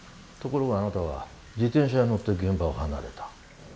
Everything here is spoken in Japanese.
ところがあなたは自転車に乗って現場を離れた。